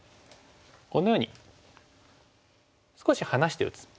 このように少し離して打つ。